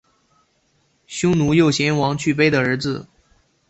匈奴右贤王去卑的儿子。